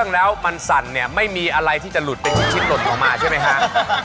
แล้วมันสั่นเนี่ยไม่มีอะไรที่จะหลุดเป็นชิ้นหล่นออกมาใช่ไหมฮะ